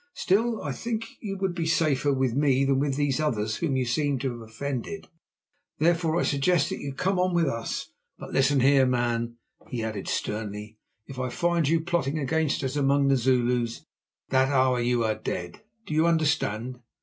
Still, I think you would be safer with me than with these others whom you seem to have offended. Therefore, I suggest that you come on with us. But listen here, man," he added sternly, "if I find you plotting against us among the Zulus, that hour you are dead. Do you understand?"